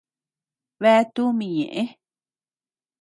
Bea tumi ñeʼe.